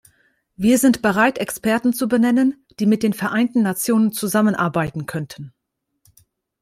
Wir sind bereit, Experten zu benennen, die mit den Vereinten Nationen zusammenarbeiten könnten.